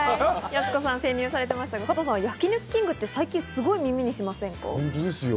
やす子さんが潜入されていましたけれども、加藤さん、焼肉きんぐってすごく耳にしませんか？